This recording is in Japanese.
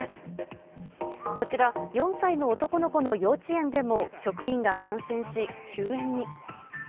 こちら、４歳の男の子の幼稚園でも職員が感染し、休園に。